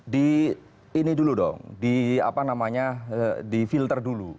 di ini dulu dong di filter dulu